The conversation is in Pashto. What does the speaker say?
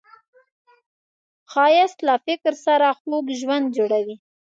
ښایست له فکر سره خوږ ژوند جوړوي